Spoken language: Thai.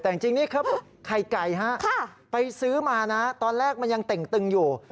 แต่จริงนี่ครับไข่ไก่ฮะไปซื้อมานะตอนแรกมันยังเต่งตึงอยู่